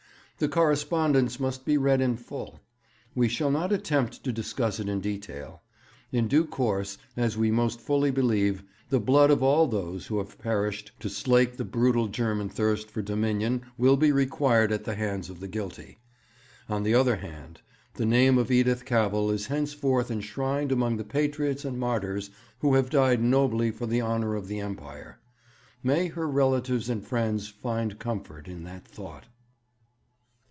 The correspondence must be read in full. We shall not attempt to discuss it in detail. In due course, as we most fully believe, the blood of all those who have perished to slake the brutal German thirst for dominion will be required at the hands of the guilty. On the other hand, the name of Edith Cavell is henceforth enshrined among the patriots and martyrs who have died nobly for the honour of the Empire. May her relatives and friends find comfort in that thought!'